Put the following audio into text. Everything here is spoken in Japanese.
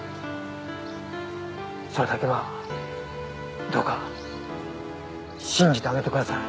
それだけはどうか信じてあげてください。